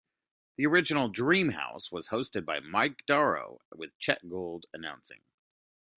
The original "Dream House" was hosted by Mike Darow with Chet Gould announcing.